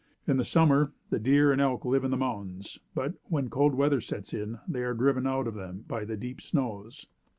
In the summer, the deer and elk live in the mountains; but, when cold weather sets in, they are driven out of them by the deep snows.